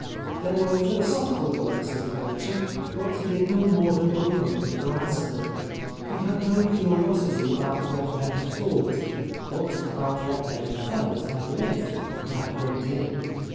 There were philosophical works in the collec tion, but he did no more than open and glance at them. He had no curiosity about what men had thought ; but about what they had felt and lived, he had a great deal.